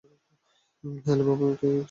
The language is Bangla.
হ্যালো, বাবু, আমি কি সেখানে আসব?